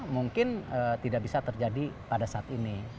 mungkin tidak bisa terjadi pada saat ini